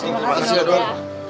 terima kasih ya dok